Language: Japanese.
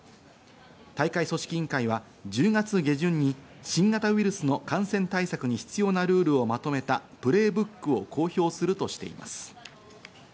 大会組織委員会は１０月下旬に新型ウイルスの感染対策に必要なルールをまとめたプレーブックを公表するとしています。